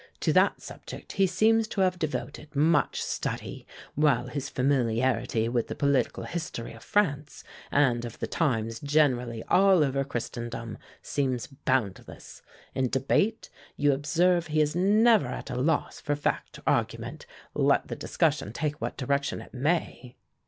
To that subject he seems to have devoted much study, while his familiarity with the political history of France and of the times generally all over Christendom seems boundless. In debate, you observe he is never at a loss for fact or argument, let the discussion take what direction it may."